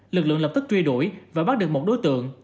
lực lượng lập tức truy đuổi và bắt được một đối tượng